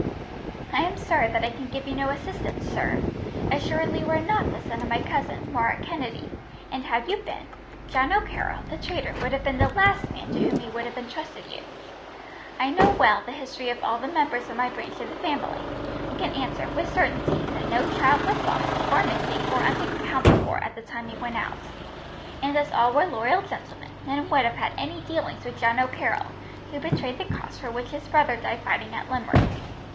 "I am sorry that I can give you no assistance, sir. Assuredly you are not the son of my cousin, Murroch Kennedy; and had you been, John O'Carroll, the traitor, would have been the last man to whom he would have entrusted you. I know well the history of all the members of my branch of the family, and can answer, with certainty, that no child was lost, or missing, or unaccounted for at the time he went out; and as all were loyal gentlemen, none would have had any dealings with John O'Carroll, who betrayed the cause for which his brother died fighting at Limerick.